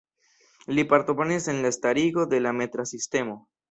Li partoprenis en la starigo de la metra sistemo.